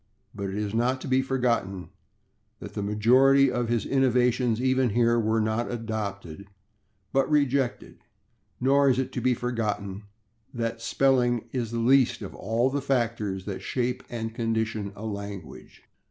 But it is not to be forgotten that the majority of his innovations, even here, were not adopted, but rejected, nor is it to be forgotten that spelling is the least of all the factors that shape and condition a language.